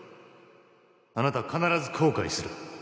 あなたは必ず後悔する